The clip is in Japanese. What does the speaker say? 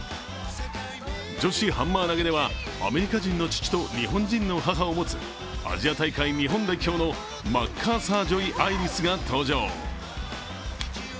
女子ハンマー投ではアメリカ人の父と日本人の母を持つアジア大会日本代表のマッカーサー・ジョイ・アイリスが登場。